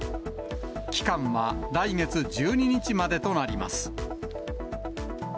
期間は来月１２日までとなります。